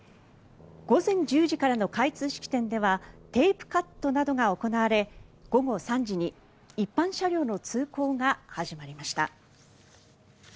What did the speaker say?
午前１０時からの開通式典ではテープカットなどが行われ午後３時に一般車両の通行が始まりました。